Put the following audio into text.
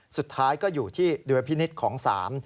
สุดท้ายก็อยู่ที่ดุลพินิษฐ์ของศาล